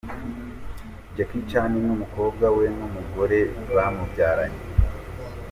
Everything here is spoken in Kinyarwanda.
Jackie Chan n'umukobwa we n'umugore bamubyaranye.